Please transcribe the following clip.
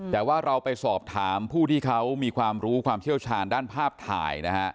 แต่ว่าเราไปสอบถามผู้ที่เขามีความรู้ความเชี่ยวชาญด้านภาพถ่ายนะฮะ